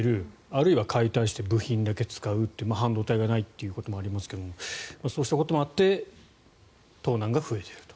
あるいは解体して部品だけ使うという半導体がないということもありますがそうしたこともあって盗難が増えていると。